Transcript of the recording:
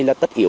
là tất hiểu